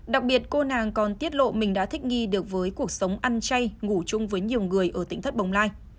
đặc biệt cô nàng còn tiết lộ mình đã thích nghi được với cuộc sống ăn chay ngủ chung với nhiều người ở tỉnh thất bồng lai